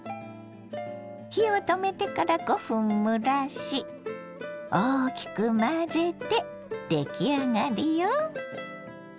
火を止めてから５分蒸らし大きく混ぜて出来上がりよ。